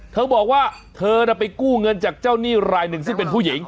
เธอบอกว่าเธอน่ะไปกู้เงินจากเจ้าหนี้รายหนึ่งซึ่งเป็นผู้หญิง